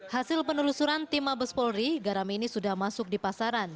hasil penelusuran tim mabes polri garam ini sudah masuk di pasaran